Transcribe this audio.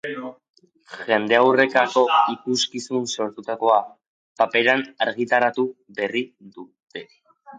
Jendaurrerako ikuskizun sortutakoa, paperean argitaratu berri dute.